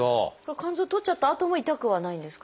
肝臓採っちゃったあとも痛くはないんですか？